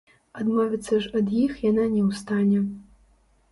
Адмовіцца ж ад іх яна не ў стане.